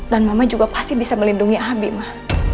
dan mama juga pasti bisa melindungi abi ma